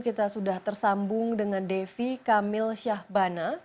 kita sudah tersambung dengan devi kamil syahbana